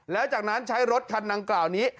แล้วจากนั้นใช้รถคันดังกล่าวนี้